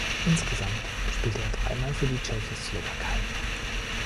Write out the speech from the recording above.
Insgesamt spielte er drei Mal für die Tschechoslowakei.